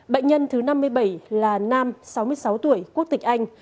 bệnh nhân thứ năm mươi bảy là nam sáu mươi sáu tuổi quốc tịch anh